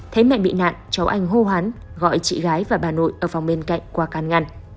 thấy mẹ bị nạn cháu anh hô hoán gọi chị gái và bà nội ở phòng bên cạnh qua can ngăn